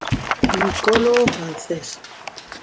Micólogo francés.